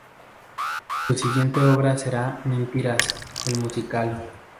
Su siguiente obra será "Mentiras, el musical".